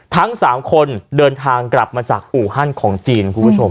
ทั้ง๓คนเดินทางกลับมาจากอู่ฮั่นของจีน